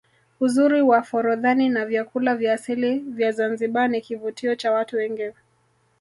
uzuri wa forodhani na vyakula vya asili vya Zanzibar ni kivutio cha watu wengi